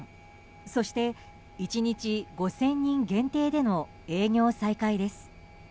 そして、１日５０００人限定での営業再開です。